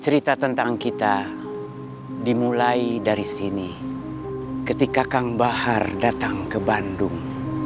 cerita tentang kita dimulai dari sini ketika kang bahar datang ke bandung